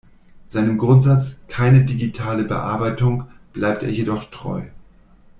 Seinem Grundsatz „keine digitale Bearbeitung“ bleibt er jedoch treu.